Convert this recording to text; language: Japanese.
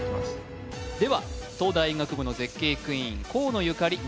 東大医学部の絶景クイーン河野ゆかり